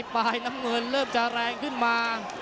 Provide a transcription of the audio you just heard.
ปลายน้ำเงินเริ่มจะแรงขึ้นมา